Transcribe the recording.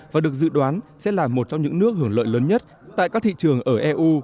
và được dự đoán sẽ là một trong những nước hưởng lợi lớn nhất tại các thị trường ở eu